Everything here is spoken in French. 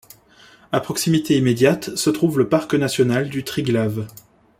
À proximité immédiate se trouve le parc national du Triglav.